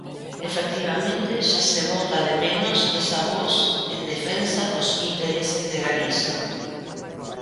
Efectivamente, xa se bota de menos esa voz en defensa dos intereses de Galiza.